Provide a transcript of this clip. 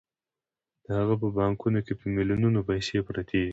د هغه په بانکونو کې په میلیونونو پیسې پرتې دي